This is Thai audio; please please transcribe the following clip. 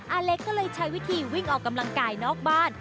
อาเล็กก็เลยใช้วิธีวิ่งออกกำลังกายนอกบ้าน